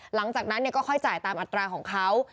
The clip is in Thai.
หลังจากนั้นก็ค่อยจ่ายตามอัตราของเขา